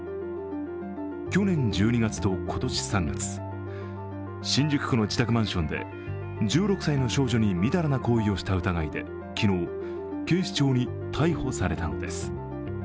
去年１２月と今年３月、新宿区の自宅マンションで１６歳の少女にみだらな行為をした疑いで昨日、警視庁に逮捕されたのです。